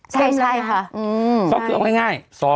ใช่ค่ะ